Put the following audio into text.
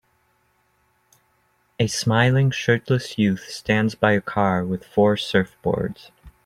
A smiling shirtless youth stands by a car with four surfboards